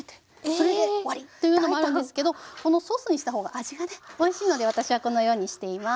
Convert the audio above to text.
それで終わりというのもあるんですけどこのソースにした方が味がねおいしいので私はこのようにしています。